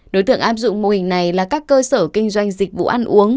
đối tượng áp dụng mô hình này là các cơ sở kinh doanh dịch vụ ăn uống